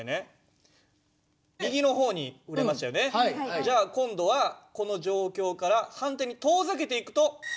じゃあ今度はこの状況から反対に遠ざけていくと。